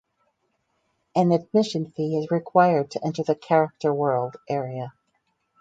An admission fee is required to enter the Character World area.